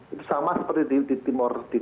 itu sama seperti di timor leste sama